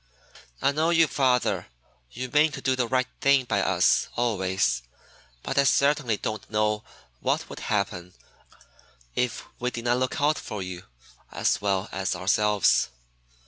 "I know you, father; you mean to do the right thing by us always, but I certainly don't know what would happen if we did not look out for you as well as ourselves."